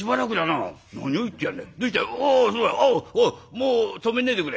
もう止めねえでくれ。